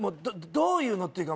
どういうのっていうか